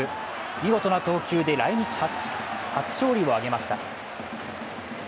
見事な投球で来日初勝利を挙げました。